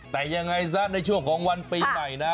แต่ยังไงซะในช่วงของวันปีใหม่นะ